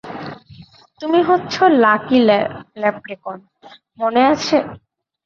তুমি হচ্ছো lucky leprechaun, মনে আছে?